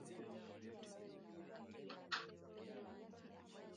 tukisema hapa ni kwamba ni wajibu sasa katika ka